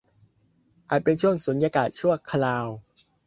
อาจเป็นช่วงสุญญากาศชั่วคราว